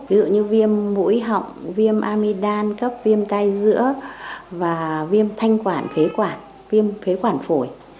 ví dụ như viêm mũi họng viêm amidam cấp viêm tai giữa và viêm thanh quản phế quản viêm phế quản phổi